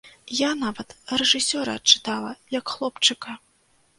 Я нават рэжысёра адчытала, як хлопчыка.